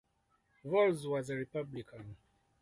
Volz was an Republican.